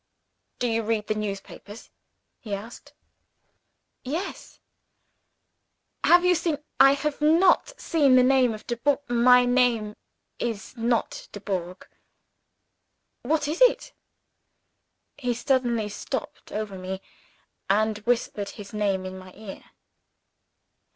"Do you read the newspapers?" he asked. "Yes." "Have you seen ?" "I have not seen the name of 'Dubourg' " "'My name is not 'Dubourg.'" "What is it?" He suddenly stooped over me; and whispered his name in my ear.